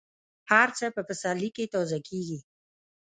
هر څه په پسرلي کې تازه کېږي.